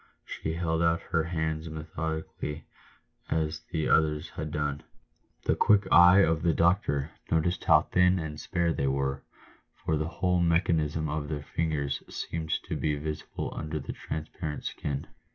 She held out her hands methodically as the others had done. The quick eye of the doctor noticed how thin and spare they were, for the whole mechanism of the fingers seemed to he visible under the transparent skin.